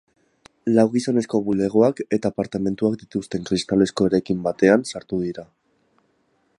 Lau gizonezko bulegoak eta apartamentuak dituen kristalezko eraikin batean sartu dira.